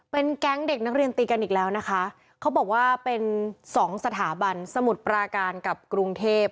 เป็นแก๊งเด็กนักเรียนตีกันอีกแล้วนะคะเขาบอกว่าเป็นสองสถาบันสมุทรปราการกับกรุงเทพ